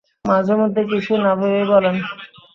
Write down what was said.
মাঝে মধ্যে কিছু না ভেবেই বলেন।